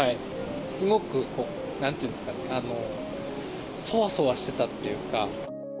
すごく、なんていうんですかね、そわそわしていたというか。